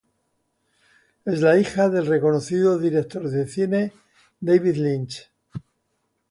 Es la hija del reconocido director de cine David Lynch.